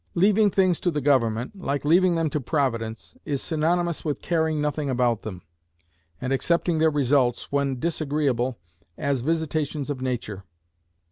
Leaving things to the government, like leaving them to Providence, is synonymous with caring nothing about them, and accepting their results, when disagreeable, as visitations of Nature.